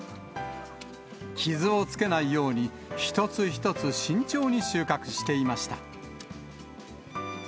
傷をつけないように一つ一つ慎重に収穫していました。